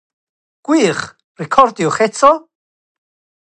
Roedd y brechdanau cig cranc yn flasus iawn.